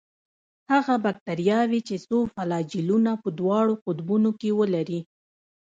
هغه باکتریاوې چې څو فلاجیلونه په دواړو قطبونو کې ولري.